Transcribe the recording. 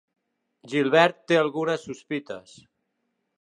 Gilbert té algunes sospites.